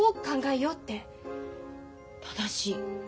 正しい。